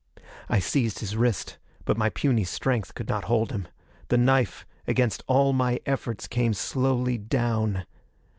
I seized his wrist. But my puny strength could not hold him. The knife, against all my efforts, came slowly down.